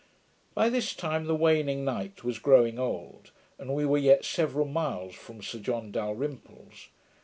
By this time 'the waning night was growing old', and we were yet several miles from Sir John Dalrymple's.